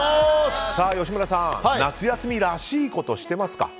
吉村さん、夏休みらしいことしてますか？